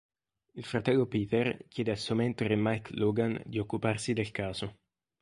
Il fratello Peter chiede al suo mentore Mike Logan di occuparsi del caso.